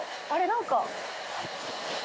何か。